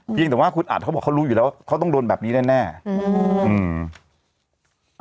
เพียงแต่ว่าคุณอัดเขาบอกเขารู้อยู่แล้วว่าเขาต้องโดนแบบนี้แน่แน่อืม